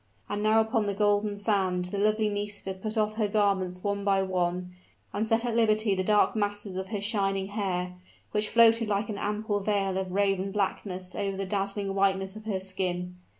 And now upon the golden sand the lovely Nisida put off her garments one by one: and set at liberty the dark masses of her shining hair, which floated like an ample veil of raven blackness over the dazzling whiteness of her skin.